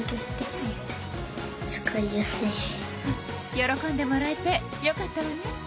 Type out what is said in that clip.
喜んでもらえてよかったわね。